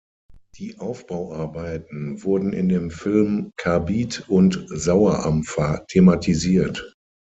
Die Aufbauarbeiten wurden in dem Film Karbid und Sauerampfer thematisiert.